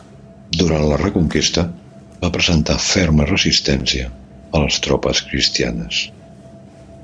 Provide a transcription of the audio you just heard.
Durant la reconquesta, va presentar ferma resistència a les tropes cristianes.